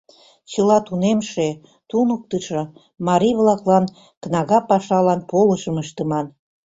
Чыла тунемше, туныктышо марий-влаклан кнага пашалан полышым ыштыман.